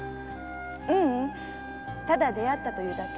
〔ううんただ出会ったというだけ。